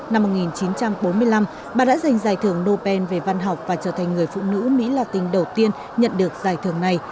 năm một nghìn chín trăm bốn mươi năm bà đã giành giải thưởng nobel về văn học và trở thành người phụ nữ mỹ latin đầu tiên nhận được giải thưởng này